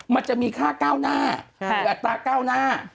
มันจะมีค่าก้าวหน้าหรืออัตราก้าวหน้า